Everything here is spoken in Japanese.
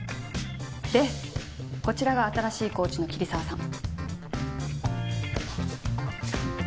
でこちらが新しいコーチの桐沢さん。